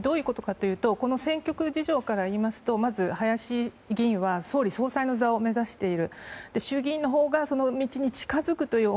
どういうことかというと選挙区事情からいいますとまず、林議員は総理総裁の座を目指している。